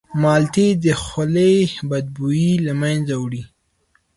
مالټې د خولې بدبویي له منځه وړي.